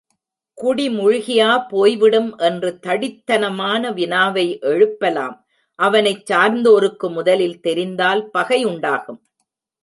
குடி முழுகியா போய்விடும் என்று தடித்தனமான வினாவை எழுப்பலாம் அவனைச் சார்ந்தோருக்கு முதலில் தெரிந்தால் பகை உண்டாகும்.